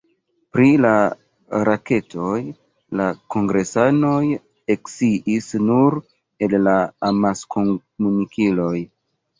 Pri la raketoj la kongresanoj eksciis nur el la amaskomunikiloj.